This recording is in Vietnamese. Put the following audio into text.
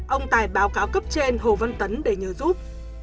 ông tài báo cáo cấp trên hồ văn tấn để nhờ giúp